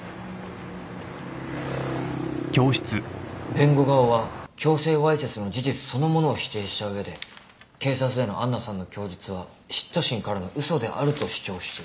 弁護側は強制わいせつの事実そのものを否定した上で警察への杏奈さんの供述は嫉妬心からの嘘であると主張している。